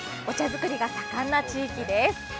お茶作りが盛んな地域です。